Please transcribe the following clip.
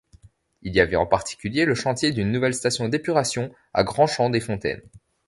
Il y avait en particulier le chantier d'une nouvelle station d'épuration à Grandchamps-des-Fontaines.